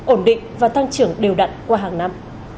ổn định và tăng trưởng đều đặn qua hàng năm